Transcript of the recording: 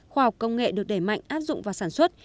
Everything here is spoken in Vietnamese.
khoa học công nghệ được đẩy mạnh áp dụng và sản xuất